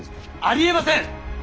ありえません！